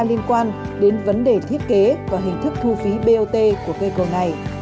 liên quan đến vấn đề thiết kế và hình thức thu phí bot của cây cầu này